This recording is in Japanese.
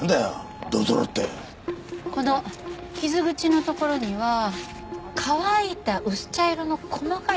この傷口のところには乾いた薄茶色の細かい土が付いてます。